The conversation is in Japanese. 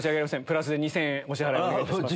プラスで２０００円お願いいたします。